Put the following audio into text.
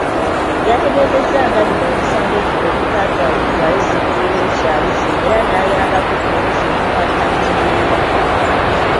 Yategeezezza nga bino omusango guno bwegwatwaliddwayo ssentebe w'ekyalo kino era nayambako poliisi okukakkanya embeera.